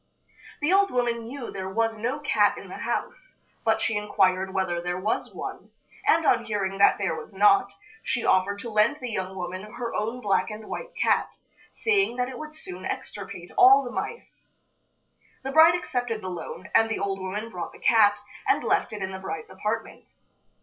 The old woman knew there was no cat in the house, but she inquired whether there was one, and on hearing that there was not, she offered to lend the young woman her own black and white cat, saying that it would soon extirpate all the mice. The bride accepted the loan, and the old woman brought the cat, and left it in the bride's apartment.